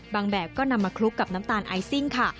แบบก็นำมาคลุกกับน้ำตาลไอซิ่งค่ะ